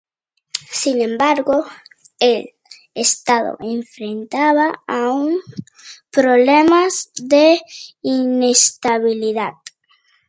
Sin embargo, el estado enfrentaba aún problemas de inestabilidad.